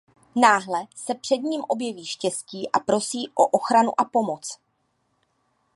Náhle se před ním objeví Štěstí a prosí o ochranu a pomoc.